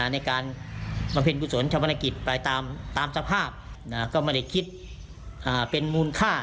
ในการมาเป็นผู้สนชาวบรรณกิจไปตามสภาพก็ไม่ได้คิดเป็นมูลค่า